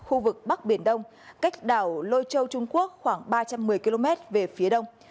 khu vực bắc biển đông cách đảo lôi châu trung quốc khoảng ba trăm một mươi km về phía đông